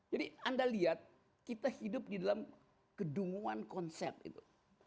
jadi anda lihat kita hidup di dalam kedunguan konsep itu